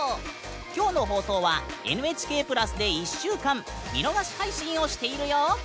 今日の放送は「ＮＨＫプラス」で１週間見逃し配信をしているよ！